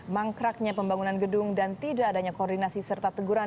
mangkraknya pembangunan gedung dan tidak adanya koordinasi serta teguran